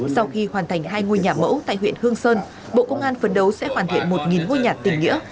sau khi hoàn thành hai ngôi nhà mẫu tại huyện hương sơn bộ công an phấn đấu sẽ hoàn thiện một ngôi nhà tỉnh nghĩa